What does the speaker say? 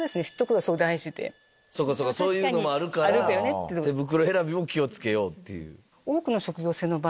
そういうのもあるから手袋選びも気を付けようっていう。